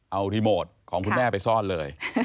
เอารีโมทของคุณแม่ไปซ่อนเลย